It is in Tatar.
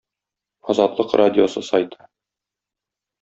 "Азатлык" радиосы сайты